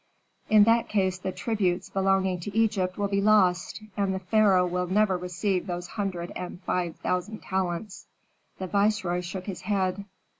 In that case the tributes belonging to Egypt will be lost, and the pharaoh will never receive those hundred and five thousand talents." The viceroy shook his head.